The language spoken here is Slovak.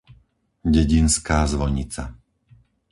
dedinská zvonica